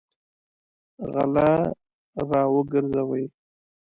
غله راوګرځوئ!